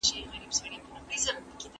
زده کوونکي څنګه له تعلیمي ټکنالوژۍ ګټه اخلي؟